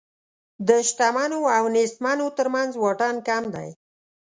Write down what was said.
د شتمنو او نېستمنو تر منځ واټن کم دی.